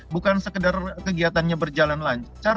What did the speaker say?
bukan sekedar kegiatannya berjalan lancar